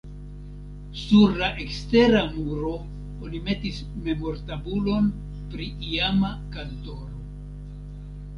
Sur la ekstera muro oni metis memortabulon pri iama kantoro.